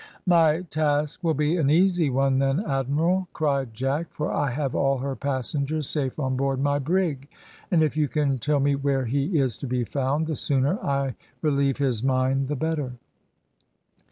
"My task will be an easy one, then, admiral," cried Jack, "for I have all her passengers safe on board my brig; and if you can tell me where he is to be found, the sooner I relieve his mind the better."